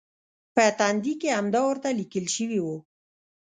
په تندي کې همدا ورته لیکل شوي و.